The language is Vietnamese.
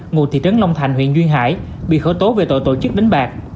ngụ thị trấn long thành huyện duyên hải bị khởi tố về tội tổ chức đánh bạc